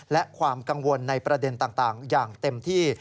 และความกังวลในประเด็นต่างอย่างเต็มที่